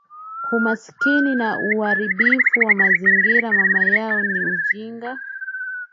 Umaskini na uharibifu wa mazingira mama yao ni ujinga